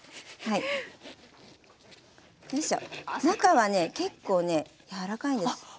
中はね結構ね柔らかいんです。